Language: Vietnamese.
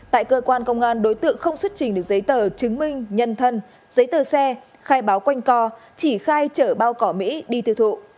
tại cơ quan công an đối tượng không xuất trình được giấy tờ chứng minh nhân thân giấy tờ xe khai báo quanh co chỉ khai chở bao cỏ mỹ đi tiêu thụ